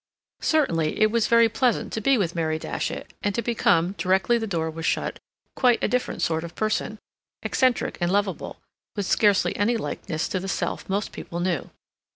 Certainly it was very pleasant to be with Mary Datchet and to become, directly the door was shut, quite a different sort of person, eccentric and lovable, with scarcely any likeness to the self most people knew.